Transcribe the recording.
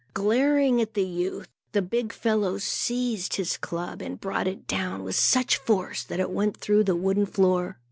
Glaring at the youth, the big fellow seized his club and brought it down with such force that it went through the wooden floor.